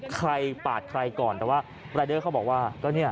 ใครปาดใครก่อนแต่ว่ารายเดอร์เขาบอกว่า